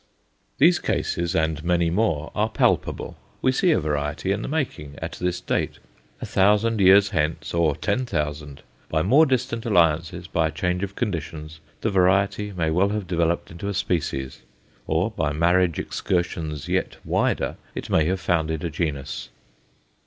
These cases, and many more, are palpable. We see a variety in the making at this date. A thousand years hence, or ten thousand, by more distant alliances, by a change of conditions, the variety may well have developed into a species, or, by marriage excursions yet wider, it may have founded a genus.